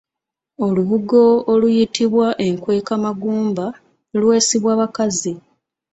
Olubugo oluyitibwa enkwekamagumba lwesibwa bakazi.